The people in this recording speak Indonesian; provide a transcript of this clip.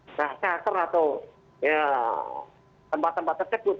nah shelter atau tempat tempat tersebut